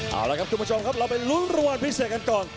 เอาละครับคุณผู้ชมครับเราไปลุ้นรางวัลพิเศษกันก่อน